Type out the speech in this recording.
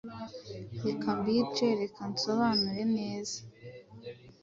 Reka mbice, reka nsobanure neza